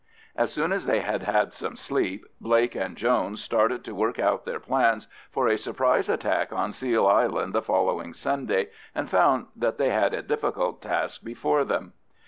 As soon as they had had some sleep, Blake and Jones started to work out their plans for a surprise attack on Seal Island the following Sunday, and found that they had a difficult task before them.